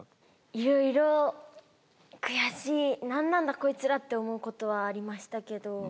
いろいろ悔しい何なんだこいつらって思うことはありましたけど。